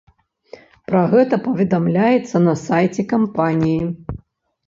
Пра гэта паведамляецца на сайце кампаніі.